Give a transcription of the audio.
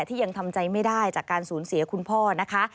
ที่ยังทำใจไม่ได้จากการสูญเสียคุณพ่อนะคะ